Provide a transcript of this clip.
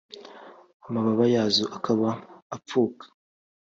amababa yazo akaba apfuka